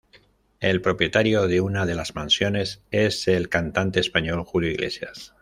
El propietario de una de las mansiones es el cantante español Julio Iglesias.